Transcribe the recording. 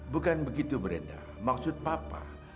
bukan begitu beredar maksud papa